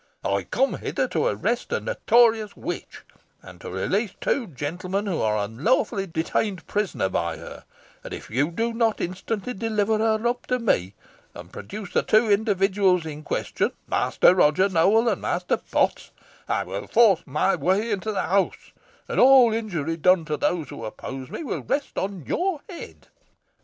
I am come hither to arrest a notorious witch, and to release two gentlemen who are unlawfully detained prisoners by her; and if you do not instantly deliver her up to me, and produce the two individuals in question, Master Roger Nowell and Master Potts, I will force my way into the house, and all injury done to those who oppose me will rest on your head."